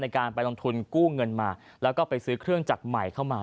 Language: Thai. การไปลงทุนกู้เงินมาแล้วก็ไปซื้อเครื่องจักรใหม่เข้ามา